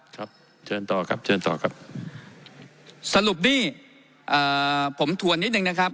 ครับเชิญต่อครับเชิญต่อครับสรุปนี่อ่าผมถวนนิดหนึ่งนะครับ